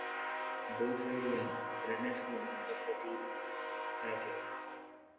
Both were young, brunette women of petite stature.